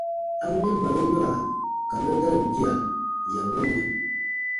A wunɛn barum yoraa ka mɛn garibu gia, yarumaniya.